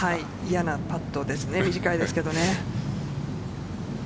嫌なパットですね短いですけどね。